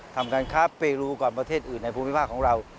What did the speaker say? ทำการค้าเปรูก่อนประเทศอื่นในภูมิภาคของเรา